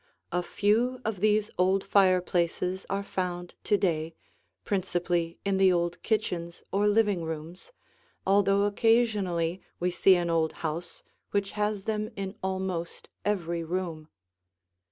A few of these old fireplaces are found to day, principally in the old kitchens or living rooms, although occasionally we see an old house which has them in almost every room.